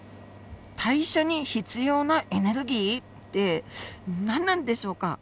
代謝に必要なエネルギー？って何なんでしょうか。